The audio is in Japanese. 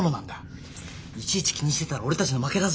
いちいち気にしてたら俺たちの負けだぞ。